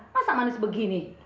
masak manis begini